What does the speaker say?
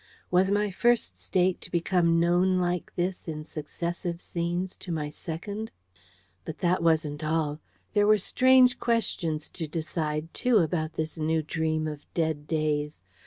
Was my First State to become known like this in successive scenes to my Second? But that wasn't all. There were strange questions to decide, too, about this new dream of dead days.